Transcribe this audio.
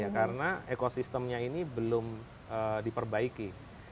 karena ekosistemnya ini belum diperbaiki